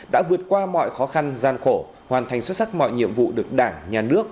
đã vượt qua mọi khó khăn gian khổ hoàn thành xuất sắc mọi nhiệm vụ được đảng nhà nước